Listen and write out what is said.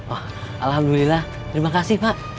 oh alhamdulillah terima kasih pak